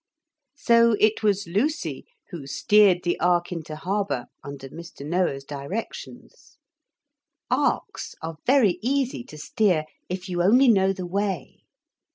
So it was Lucy who steered the ark into harbour, under Mr. Noah's directions. Arks are very easy to steer if you only know the way.